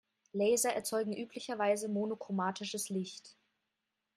Laser erzeugen üblicherweise monochromatisches Licht.